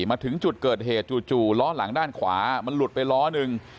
มาถึงจุดเกิดเหตุจู่ล้อหลังด้านขวามันหลุดไปล้อหนึ่ง